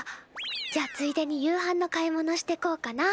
じゃあついでに夕飯の買い物してこうかな。